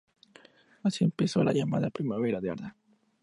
Así empezó la llamada: "Primavera de Arda".